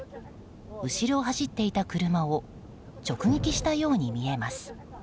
後ろを走っていた車を直撃したように見えます。